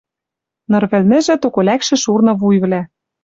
Ныр вӹлнӹжӹ токо лӓкшӹ шурны вуйвлӓ